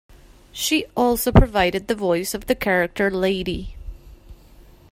She also provided the voice of the character Lady.